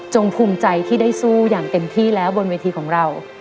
ภูมิใจที่ได้สู้อย่างเต็มที่แล้วบนเวทีของเรา